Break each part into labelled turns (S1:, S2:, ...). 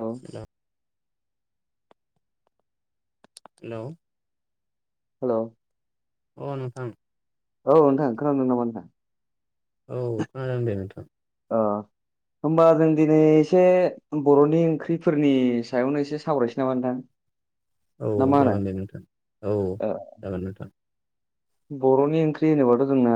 S1: औ
S2: दा हेल
S1: हेल
S2: अ नोंथां
S1: औ नोंथां खोनादों नामा नोंथांआ।
S2: औ खोनादों दे नोंथां
S1: आ होमबा जों दिनै एसे बरनि ओंख्रिफोरनि सायावनो एसे सावरायसै नामा नोंथां
S2: औ
S1: ना मा होनो
S2: जागोन दे नोंथां औ
S1: ओ
S2: जागोन नोंथां
S1: बरनि ओंख्रि होनोबाथ जोंना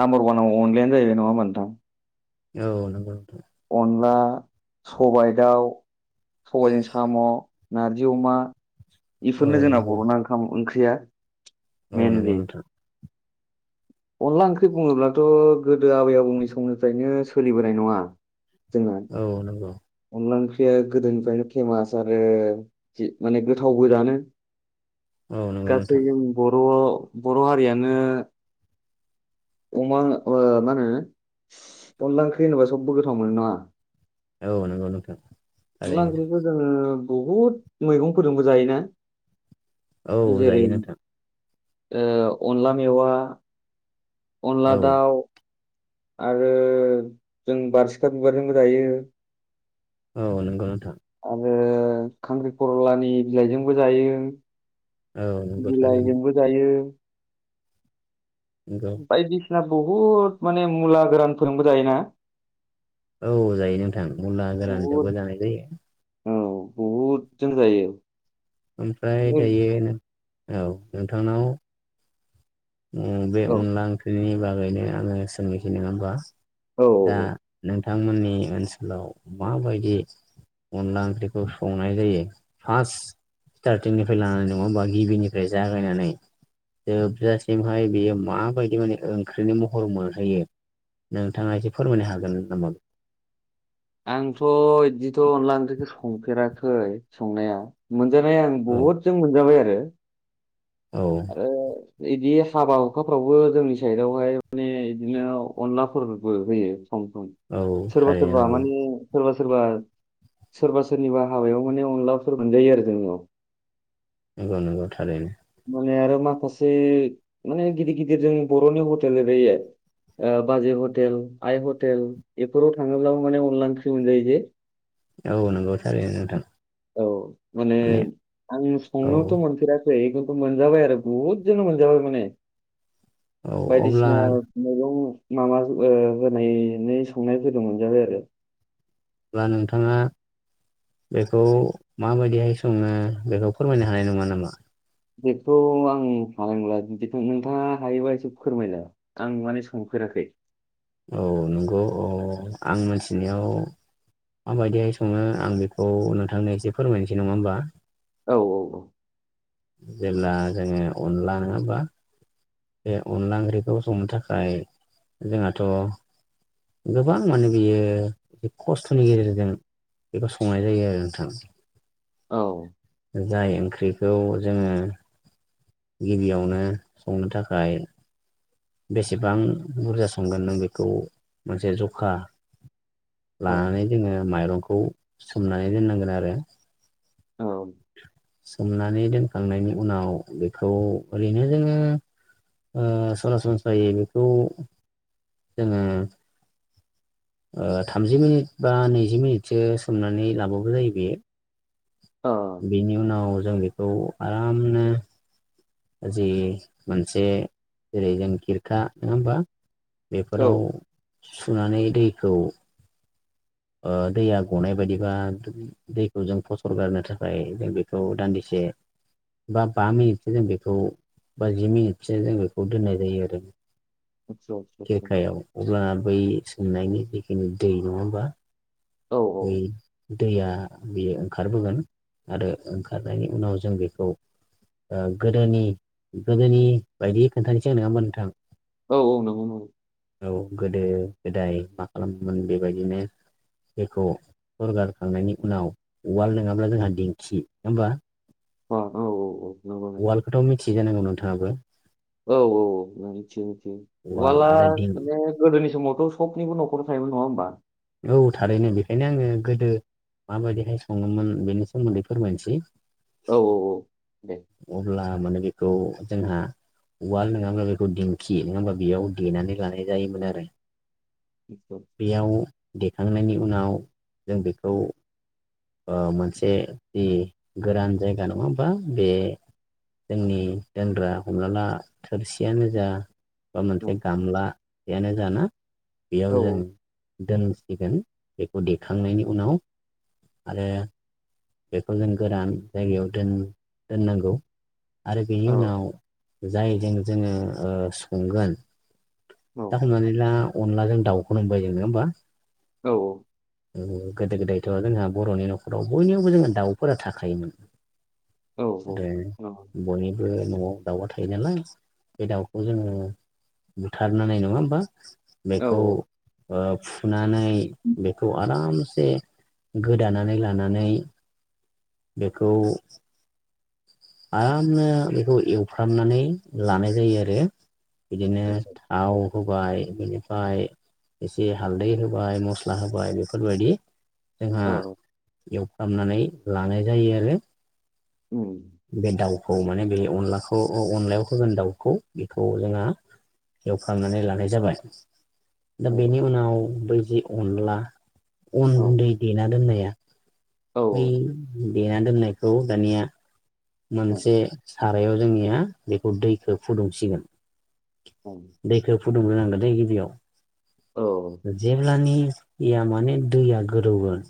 S1: नाम्बार वानाव अनलायानो जाहैबाय नङा होमा नोंथां
S2: औ नंगौ नोंथां
S1: अनला सबायाइ दाउ सबायजों साम नारजि अमा
S2: औ
S1: इफोरनो जोंना
S2: नंगौ
S1: बरना ओंखाम ओंख्रिया
S2: औ नोंगौ
S1: मेनलि
S2: नोथां
S1: अनला ओंख्रि बुङोब्लाथ गोदो आबै आबौनि समनिफ्रायनो सोलिबोनाय नङा जोंना
S2: औ नंगौ
S1: अनला ओंख्रिया गोदोनिफ्रायनो फेमास आरो जि माने गोथावबो दानो
S2: औ नंगौ
S1: गासै
S2: नोंथां
S1: जों बर बर हारियानो अमा ओ‌ मा होनो अनला ओंख्रि होनोबा सोबबो गोथाव मोनो नङा
S2: औ नंगौ नोंथां
S1: अनला
S2: थारैनो
S1: ओंख्रिखौ जोङो बहुद मैगं फोरजों बो जायोना
S2: औ जायो नोंथां
S1: ओ‌ अनला मेवा अनला
S2: औ
S1: दाउ आरो जों बारसिखा बिबारजोंबो जायो
S2: औ नोंगौ नोंथां
S1: आरो खांख्रिखरलानि बिलाइजोंबो जायो
S2: औ नंगौ थारैनो
S1: बिलाइजोंबो जायो
S2: नंगौ
S1: बायदिसिना बुहुद माने मुला गोरान फोरजोंबो जायोना।
S2: औ जायो नोंथां मुला
S1: बहुद
S2: गोरानजोंयावबो जानाय जायो
S1: औ बतजों जायो
S2: ओमफ्राय
S1: औ
S2: दायो औ नोंथांनाव बे
S1: औ
S2: अनला ओंख्रिनि बागैनो आङो सोंखि नङा होमबा
S1: औ औ औ
S2: बिथांमोननि ओनसोलाव माबायदि अनला ओंख्रिखौ संनाय जायो फार्स्ट स्टार्टिंनिफ्राय लानानै नङा होनबा गिबिनिफ्राय जागायनानै जोबजा महाय बियो माबायदि माने ओंख्रिनि महर मोनहैयो नोंथाङा एसे फोरमायनो हागोन नामा
S1: आंथ' बिदिथ' अनला ओंख्रिखौ संफेराखै संनाया मोनजानाय आं
S2: औ
S1: बहुदजों मोनजाबाय आरो
S2: औ
S1: आरो बिदि हाबा हुखाफ्रावबो जोंनि साइदावहाय माने बिदिनो अनलाफोरबो होयो
S2: औ
S1: सोरबा
S2: थारैनो
S1: सोरबा
S2: नंगौ
S1: माने सोरबा सोरबा सोरबा सोरनिबा हाबायाव माने अनलाफोर मोनजायो आरो जोंनाव।
S2: नंगौ नंगौ थारैनो।
S1: माने आरो माखासे माने गिदिर गिदिर जोंनि बर'नि हटेल ओरै ओ बाजै हटेल, आइ हटेल बेफोराव थाङोब्लाबो माने अनला ओंख्रि मोनजायो जे?
S2: औ नंगौ थारैनो नोंथां।
S1: औ माने आं
S2: औ
S1: संनोथ' मोनफेरा खै खिन्थु मोनजाबाय आरो बहुद जोंनो मोनजाबाय माने
S2: औ अब्ला
S1: बायदिसिना मैगं माबा ओ होनायै संनायफोरखौ मोनजाबाय आरो।
S2: अब्ला नोंथाङा बेखौ माबायदिहाय सङो बेखौ फोरमायनो हानाय नङा नामा?
S1: बेथ' आं हानाय नंला जिथु नोंथाङा हायोबा एसे फोरमायलाय, आं माने सं फेराखै।
S2: औ नंगौ औ। आं मोनथिनायाव माबायदिहाय सङो आं बेखौ नोंथांनो एसे फोरमायनोसै नङा होमबा?
S1: औ औ औ।
S2: जेब्ला जोङो अनला नङाबा बे अनला ओंख्रिखौ संनो थाखाय जोंहाथ' गोबां माने बियो खस्थ'नि गेजेरजों बेखौ संनाय जायो आरो नोंथां।
S1: औ।
S2: जाय ओंख्रिखौ जोङो गिबियावनो संनो थाखाय बेसेबां बुरजा संगोन नों बेखौ मोनसे जखा
S1: औ
S2: लानानै जोङो माइरंखौ सोमनानै दोननांगोन आरो।
S1: औ
S2: सोमनानै दोनखांनायनि उनाव बेखौ ओरैनो जोङो ओ सरासनस्रायै बेखौ जोङो ओ थामजि मिनिट बा नैजि मिनिटसो सोमनानै लाबाबो जायो बेयो।
S1: औ
S2: बेनि उनाव जों बेखौ आरामनो जि मोनसे जेरै जों खिरखा नङा होनबा?
S1: औ
S2: बेफोराव सुनानै दैखौ ओ दैया गनाय बायदिबा दैखौ जों फसर गारनो थाखाय जों बेखौ दान्दिसे [unintelligible] बा बा मिनिटसो जों बेखौ बा जि मिनिटसो जों बेखौ दोननाय जायो आरो‌
S1: आतसा आतसा आतसा
S2: खेरखायाव अब्ला बै संनायनि जिखिनि दै नङा होनबा?
S1: औ औ।
S2: दैया बियो ओंखारबोगोन आरो ओंखारनायनि उनाव जों बेखौ ओ गोदोनि गोदोनि बायदि खोन्थानोसै आं नङा होनबा नोंथां?
S1: औ औ नंगौ नंगौ।
S2: औ गोदो गोदाय मा खालामोमोन बेबायदिनो दैखौ सरगारखांनायनि उनाव उवाल नङाब्ला जोंहा दिंखि नङा होमबा?
S1: अ औ औ औ नंगौ नंगौ
S2: उवालखौथ' मिथियो जानांगौ नोंथाङाबो?
S1: औ औ मिथियो मिथियो
S2: उवाल
S1: उवाला
S2: आरो दिं
S1: माने गोदोनि समाव थ' सबनिबो न'खराव थायोमोन नङा होमबा?
S2: औ थारैनो बेखायनो आङो गोदो माबायदिहाय सङोमोन बेनि सोमोन्दै फोरमायनोसै।
S1: औ औ औ दे।
S2: अब्ला माने बेखौ जोंहा उवाल नङाबा बेखौ दिंखि नङा होमबा बेयाव देनानै लानाय जायोमोन आरो। बेयाव
S1: [unintelligible]
S2: देखांनायनि उनाव जों बेखौ। ओ मोनसे जि गोरान जायगा नङा होनबा बे जोंनि लोंग्रा हमना ला थोरसियानो जा। बा
S1: औ
S2: मोनसे गामलायानो जा ना बेयाव
S1: औ
S2: जों दोनसिगोन बेखौ देखांनायनि उनाव आरो बेखौ जों गोरान जायगायाव दोननांगौ आरो
S1: औ
S2: बेनि उनाव। जायजों जोङो ओ संगोन दा हमनानै ला। अनद्लाजों दाउखौनो होनबाय जों नङा होमबा?
S1: औ औ।
S2: ओ गोदो गोदायथ' जोंहा बर'नि न'खराव बयनियावबो जोंहा दाउफोरा थाखायोमोन।
S1: औ औ औ।
S2: बो न'वाव दाउवा थायो नालाय बे दाउखौ जोङो। बुथारनानै नङा होमबा बेखौ
S1: औ
S2: फुनानै बेखौ आराम से गोदानानै लानानै बेखौ आरामनो बेखौ एवफ्रामनानै लानाय जायो आरो बिदिनो
S1: आतसा
S2: थाव। होबाय बिनिफ्राय एसे हालदै होबाय मस्ला होबाय बेफोरबायदि। जोंहा
S1: औ
S2: एवफ्रामनानै लानाय जायो आरो।
S1: उम ।
S2: बे दाउखौ माने बे अनलाखौ अ अनलायाव होगोन दाउखौ बेखौ जोंहा एवखांनानै लानाय जाबाय। दा
S1: औ
S2: बेनि उनाव बै जि अनला अन
S1: औ
S2: गुन्दै देना दोननाया
S1: औ
S2: बै देना दोननायखौ दानिया
S1: औ
S2: मोनसे सारायाव जोंनिया बेखौ दैखौ फुदुंसिगोन
S1: औ
S2: दैखौ फुदुंग्रोनांगौ दै गिबियाव जेब्लानि निया माने दैया गोदौगोन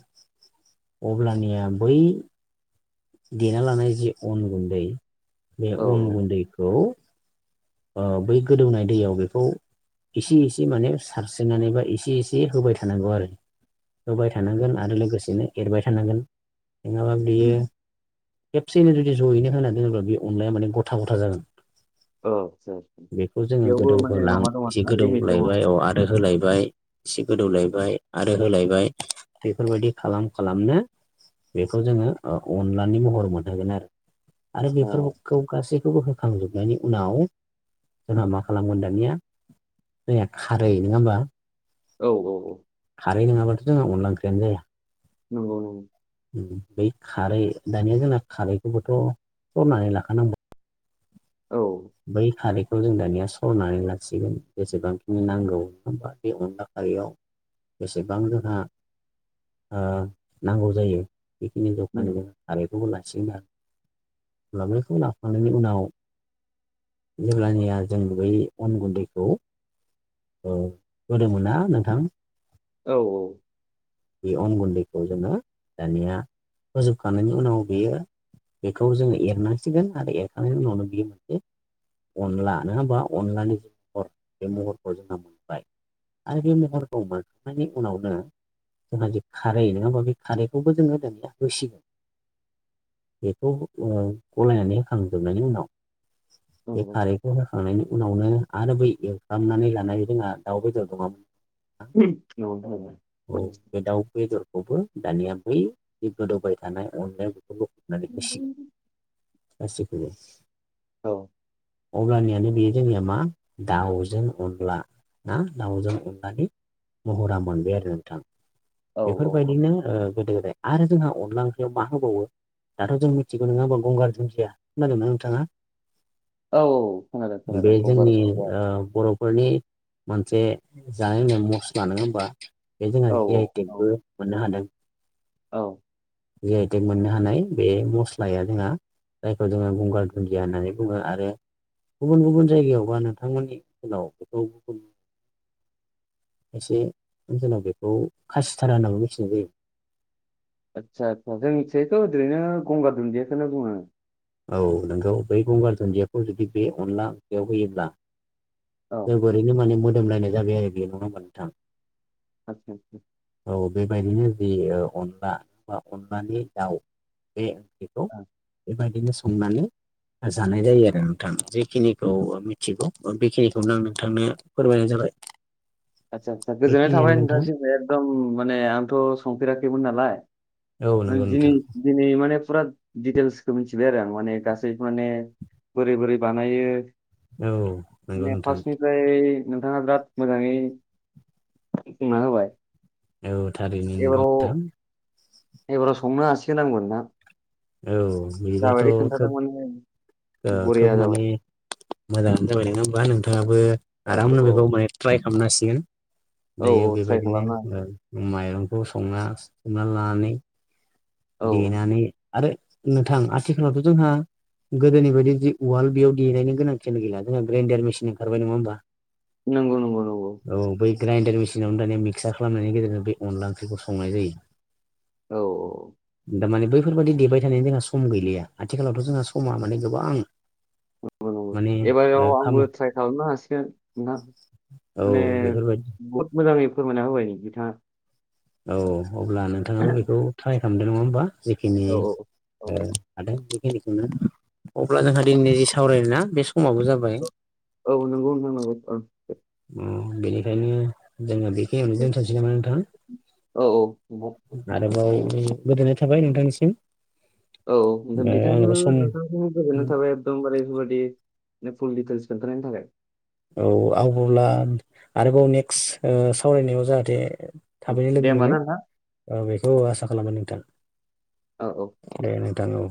S2: अब्लानिया बै देना लानाय जि अन गुन्दै बे अन
S1: औ
S2: गुन्दैखौ बै गोदौनाय दैयाव बेखौ एसे एसे माने सारस्रिनानै बा एसे एसे होबाय थानांगौ आरो होबाय थानांगोन आरो लोगोसेनो एरबाय थानांगोन नङाबा बियो खेबसेयैनो जुदि जयैनो होना दोनोब्ला बे अनलाया माने गथा गथा जागोन
S1: औ सार
S2: बेखौ जोङो
S1: बेयावबो माने
S2: गोदौहोलां
S1: माबा दङ
S2: एसे
S1: आरोना लिमिट दङ
S2: गोदौलायबाय औ आरो होलाय बाय एसे गोदौलायबाय आरो होलायबाय बेफोरबायदि खालाम खालामनो बेखौ जोङो ओ अनलानि महर मोनहोगोन आरो आरो
S1: औ
S2: बेफोरखौ गासैखौबो होखांजोबनायनि उनाव जोंहा मा खालामगोन दानिया जोंहा खारै नङा होमबा
S1: औ औ औ।
S2: खारै नङाबाथ जोंहा अनला ओंख्रियानो जाया।
S1: नंगौ नंगौ।
S2: बै खारै दानिया जोंना खारैखोबोथ सरनानै लाखानांगौ
S1: औ
S2: बै खारै- खौ जों दानिया सरनानै लासिगोन जेसेबांखिनि नांगौ होमबा बे अनला खारियाव बेसेबां जोंहा ओ नांगौ जायो बेखिनि
S1: उम
S2: जखानि जों खारैखौबो लासिगोन आरो होमबा बेखौ लाखांनायनि उनाव जेब्लानिया जों बै अन गुन्दैखौ औ होदोमोनना नोंथां।
S1: औ औ
S2: बे अन गुन्दैखौ जोङो दानिया होजोबखांनायनि उनाव बेयो बेखौ जोङो एरनांसिगोन आरो एरखांनायनि उनावनो बियो मोनसे अनला नङा होमबा अनलानि जि महर बे महरखौ जोंहा मोनबाय आरो बे महरखौ मोनखांनायनि उनावनो जोंहा जे खारै नङा होमबा बे खारैखौबो जोङो दिनै होसिगोन बेखौ ओ गलायनानै होखांजोबनायनि उनाव
S1: औ
S2: बे
S1: औ
S2: खारैखौ होखांनायनि उ उनावनो आरो बै एवफ्रामनानै लानाय जोंहा दाउ बेदर दङमोन
S1: न'आवनो थायोमोन
S2: औ बे दाउ बेदरखौबो दानिया बै गोदौबाय थानाय अनलायाव बेफोरखौ नानै एसे दासो सफैदों
S1: औ
S2: अब्लानियानो बेयो जोंनिया मा दाउजों अनला ना दाउजों अनलानि महरा मोनबाय आरो। नोंथां
S1: औ औ
S2: बेफोरबायदिनो ओ गोदो गोदाय आरो जोंहा अनला ओंख्रियाव मा होबावो दाथ' जों मिथिगौ नङा होमबा गंगार दुनदिया खोनादोंना नोंथाङा?
S1: औ खोनादों खोनादों
S2: बे
S1: गंगार
S2: जोंनि
S1: गंगार
S2: ओ बर' फोरनि मोनसे जानाय नेम मस्ला नङा होमबा बे जोंहा
S1: औ औ
S2: जि आइ
S1: औ
S2: टेगबो मोननो हादों।
S1: औ
S2: जिहेथु मोननो हानाय बे मस्लाया जोंहा जायखौ जोङो गंगार दुन्दिया होननानै बुङो आरो गुबुन गुबुन जायगायावबा नोंथांमोननि ओनसोलाव गुबुन गुबुन एसे जोंनाव बेखौ खासिधारा होननानैबो मिथिनाय जायो।
S1: आदसा आदसा जोंनिथिजायथ' ओरैनो गंगार दुन्दियाखौनो बुङो
S2: औ नोंगौ बै गंगार धुन्दियाखौ जुदि बे अनला ओंख्रियाव होयोब्ला
S1: औ
S2: जोबोरैनो माने मोदोमलायनाय जाबाय आरो बे नङा होमबा नोंथां?
S1: आतसा आतसा
S2: औ बेबायदिनो जि अनला बा अनलानि दाउ बे बेखौ
S1: आदसा
S2: बेबायदिनो संनानै जानाय जायो आरो नोंथां जेखिनिखौ मिथिगौ बेखिनिखौनो आं नोंथांनो फोरमायनाय जाबाय।
S1: आदसा आदसा गोजोननाय
S2: बेखिनियानो
S1: थाबाय
S2: नोंथां
S1: नोंथांसिम एकदम माने आंथ' संफेराखैमोन नालाय।
S2: औ
S1: माने
S2: नंगौ
S1: दिनै
S2: नोंथां
S1: दिनै माने फुरा दिटेल्सखौ मिथिबाय आरो आं माने गासै माने बोरै बोरै बानायो
S2: औ नंगौ
S1: दिनै
S2: नोंथां
S1: फार्स्टनिफ्राय नोंथाङा बिराद मोजाङै बुंना होबाय
S2: औ थारैनो नोंगौ
S1: एबाराव
S2: नोंथां
S1: एबाराव संनो हासिगोन आंबो नोंथां
S2: औ बिदिबाथ'
S1: जाबायदि खोन्थादों
S2: खोब
S1: माने
S2: ओ खोब
S1: बरिया जाबाय
S2: माने मोजाङानो जाबाय नङा होमबा नोंथाङाबो
S1: औ
S2: आरामनो
S1: औ
S2: बेखौ माने ट्राइ खालामनो हास सिगोन
S1: औ
S2: दायो
S1: औ ट्राइ
S2: बेबायदिनो
S1: खालामना
S2: ओ माइरं खौ संना संना लानानै
S1: औ
S2: देनानै आरो नोंथां आथिखालावथ' जोंहा गोदोनि बायदि जि उवाल बेयाव देनायनि गोनांथियानो गैला जोंहा ग्रेन्दडार मेसिन ओंखारबाय नङा होमबा
S1: नंगौ नंगौ नंगौ
S2: ग्रेन्डार मेसिनावनो दानिया मिक्सार खालामनायनि गेजेरजों बे अनला ओंख्रिखौ संनाय जायो।
S1: औ औ
S2: दा माने बैफोरबादि देबाय थानायनि जोंहा सम गैलिया आथिखालावथ' जोंहा समा माने गोबां
S1: नंगौ नंगौ
S2: माने
S1: एबाराव
S2: ओ खाम
S1: आंबो ट्राय खालामनो हासिगोन नोंथां।
S2: औ
S1: माने
S2: बेफोरबायदि
S1: बहुद मोजाङै फोरमायना होबाय नो बिथाङा।
S2: औ अब्ला नोंथाङाबो बेखौ ट्राइ खालामदो नङा होमबा। जिखिनि
S1: औ औ
S2: ओ हादों [unintelligible] अब्ला जोंहा दिनैनि जि सावराय ना बे समाबो जाबाय
S1: औ नोंगौ नोंथां नोंगौ ओ
S2: बेनिखायनो जोङो बे [unintelligible] दोनथसै नामा नोंथां
S1: औ औ नंगौ। औ
S2: आरोबाव गोदोनाय थाबाय नोंथांनिसिम।
S1: औ नोंथां
S2: ओ आंनोबो
S1: बिथांखौबो
S2: सम
S1: नोंथांखौ गोजोननाय थाबाय एकदमबारे बेफोरबायदि नो फुल डिटेल्स खोनथानायनि थाखाय।
S2: औ आं बुब्ला आरोबाव नेक्स ओ सावरायनायाव जाहाथे
S1: औ
S2: थाबैनो
S1: दे
S2: लोगो
S1: होमबा ना
S2: मोनो
S1: नोंथां
S2: ओ बेखौ आसा खालामो नोंथां।
S1: औ औ।
S2: दां औ।